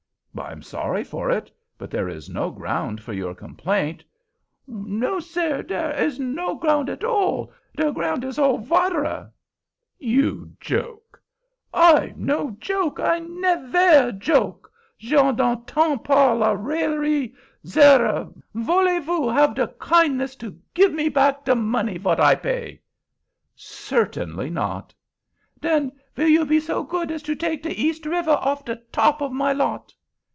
"I'm sorry for it; but there is no ground for your complaint." "No, sare; dare is no ground at all—de ground is all vatare!" "You joke!" "I no joke. I nevare joke; je n'entends pas la raillerie, Sare, voulez vous have de kindness to give me back de money vot I pay!" "Certainly not." "Den vill you be so good as to take de East River off de top of my lot?"